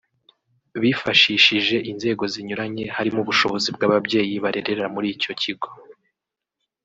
bifashishije inzego zinyuranye harimo ubushobozi bw’ababyeyi barerera muri icyo kigo